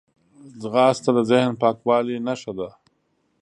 ځغاسته د ذهن پاکوالي نښه ده